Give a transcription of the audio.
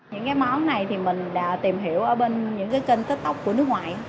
những món này thì mình đã tìm hiểu ở bên những kênh kết tộc của nước ngoài